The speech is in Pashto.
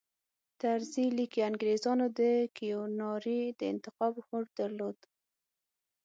طرزي لیکي انګریزانو د کیوناري د انتقام هوډ درلود.